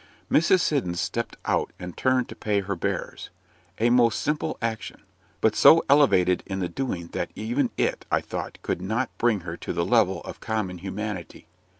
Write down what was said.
Mrs. Siddons stepped out, and turned to pay her bearers a most simple action but so elevated in the doing that even it, I thought, could not bring her to the level of common humanity.